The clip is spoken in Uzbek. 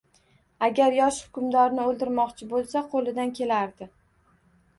Agar yosh hukmdorni o‘ldirmoqchi bo‘lsa, qo‘lidan kelardi.